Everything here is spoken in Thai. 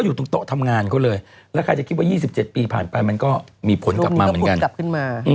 อยู่ตรงตั้งทำงานเขาเองเลยแล้วใครจะคิดว่า๒๗ปีผ่านไปมันก็มีผลกลับมาเหมือนกัน